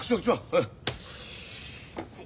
はい。